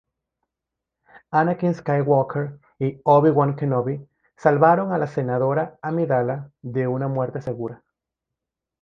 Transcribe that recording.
Anakin Skywalker y Obi-Wan Kenobi salvaron a la senadora Amidala de una muerte segura.